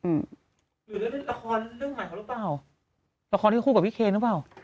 หรือเล่นละครเรื่องใหม่เขาหรือเปล่าละครที่คู่กับพี่เคนหรือเปล่า